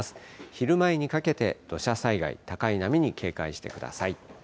昼前にかけて、土砂災害、高い波に警戒してください。